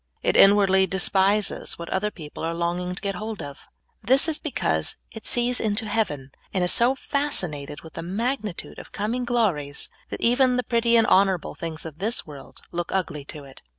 It inwardly despises what other people are longing to get hold of. This is be cause it sees into heaven, and is so fascinated with the magnitude of coming glories that even the prett}' and honorable things of this world look ugly to it.